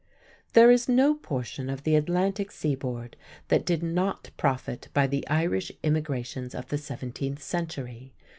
There is no portion of the Atlantic seaboard that did not profit by the Irish immigrations of the seventeenth century.